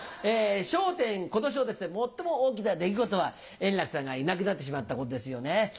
『笑点』今年の最も大きな出来事は円楽さんがいなくなってしまったことですよね。